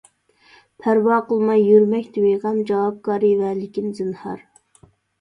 پەرۋا قىلماي يۈرمەكتە بىغەم، جاۋابكارى ۋە لېكىن زىنھار.